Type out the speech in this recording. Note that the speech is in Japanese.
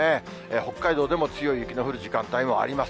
北海道でも強い雪の降る時間帯もあります。